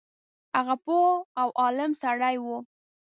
هغه پوه او عالم سړی وو.